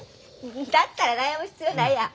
だったら悩む必要ないやん。